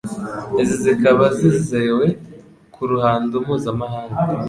Izi zikaba zizewe ku ruhando mpuzamahanga